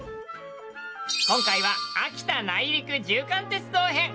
今回は秋田内陸縦貫鉄道編。